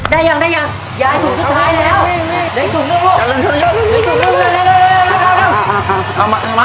ได้ยังยายถุงสุดท้ายแล้ว